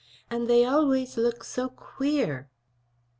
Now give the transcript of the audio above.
And they always look so queer."